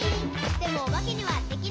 「でもおばけにはできない。」